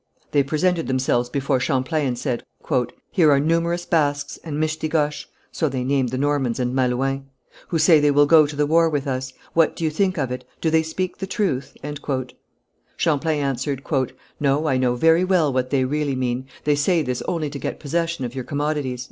They presented themselves before Champlain, and said: "Here are numerous Basques and Mistigoches (so they named the Normans and Malouins) who say they will go to the war with us. What do you think of it? Do they speak the truth?" Champlain answered: "No, I know very well what they really mean; they say this only to get possession of your commodities."